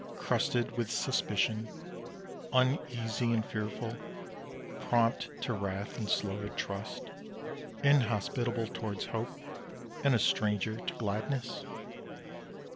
Crusted with suspicion; uneasy and fearful, prompt to wrath and slow to trust, inhospitable towards hope, and a stranger to gladness?"